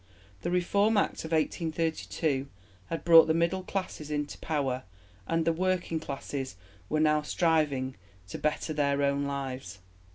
The Reform Act of 1832 had brought the middle classes into power, and the working classes were now striving to better their own condition.